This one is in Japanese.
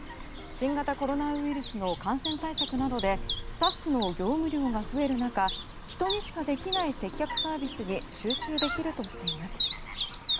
新型コロナウイルスの感染対策などでスタッフの業務量が増える中人にしかできない接客サービスに集中できるとしています。